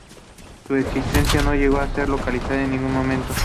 Su existencia no llegó a ser legalizada en ningún momento.